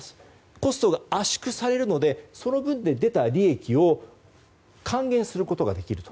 コストが圧縮されるのでその分で出た利益を還元することができると。